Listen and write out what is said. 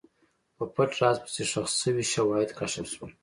په پټ راز پسې، ښخ شوي شواهد کشف شول.